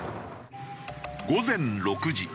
午前６時。